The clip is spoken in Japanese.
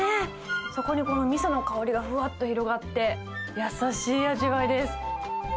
そこにこのみその香りがふわっと広がって、優しい味わいです。